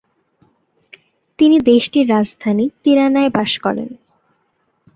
তিনি দেশটির রাজধানী তিরানায় বাস করেন।